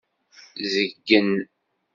Zeggen.